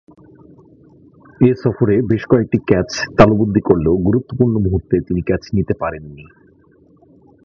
এ সফরে বেশ কয়েকটি ক্যাচ তালুবন্দী করলেও গুরুত্বপূর্ণ মুহুর্তে তিনি ক্যাচ নিতে পারেননি।